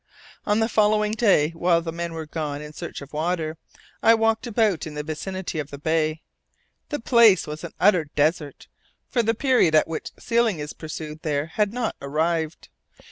On the following day, while the men were gone in search of water, I walked about in the vicinity of the bay. The place was an utter desert, for the period at which sealing is pursued there had not arrived.